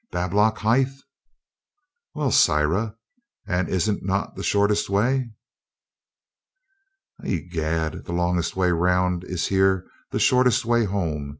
"Bablockhithe?" "Well, sirrah, and is't not the shortest way?" "I'gad, the longest way round is here the shortest way home.